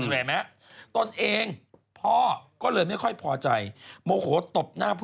สิแหละมั้ยตนเองพ่อก็เลยไม่ค่อยพอใจโมโหตบหน้าผู้